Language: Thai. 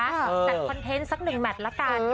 จัดคอนเทนต์สักหนึ่งแมทละกัน